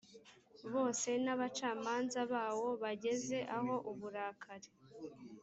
bose n abacamanza bawo bageze aho uburakari